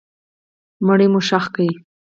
مړی مو ښخ کړ.